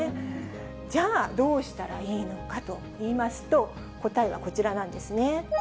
じゃあ、どうしたらいいのかといいますと、答えはこちらなんですね。